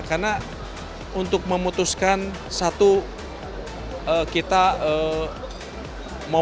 karena untuk memutuskan satu kita mau memasarkan